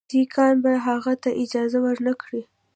سیکهان به هغه ته اجازه ورنه کړي.